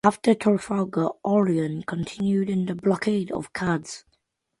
After Trafalgar, "Orion" continued in the blockade of Cadiz.